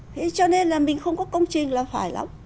thế cho nên là mình không có công trình là phải lắm